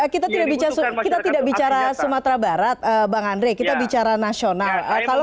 karena kita tidak bicara sumatera barat bang andre kita bicara nasional